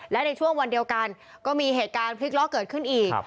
และในช่วงวันเดียวกันก็มีเหตุการณ์พลิกล้อเกิดขึ้นอีก